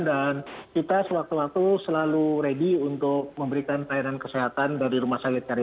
dan kita suatu waktu selalu ready untuk memberikan perairan kesehatan dari rumah